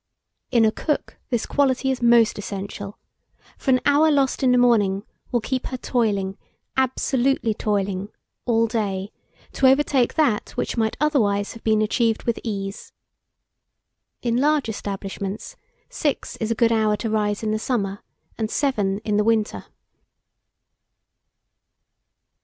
In a cook, this quality is most essential; for an hour lost in the morning, will keep her toiling, absolutely toiling, all day, to overtake that which might otherwise have been achieved with ease. In large establishments, six is a good hour to rise in the summer, and seven in the winter.